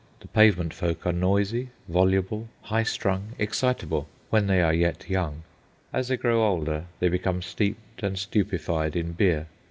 The pavement folk are noisy, voluble, high strung, excitable—when they are yet young. As they grow older they become steeped and stupefied in beer.